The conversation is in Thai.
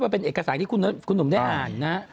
เป็นเอกสารที่คุณหนุ่มได้อ่านนะ